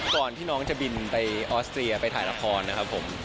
ก่อนที่น้องจะบินไปออสเตรียไปถ่ายละครนะครับผม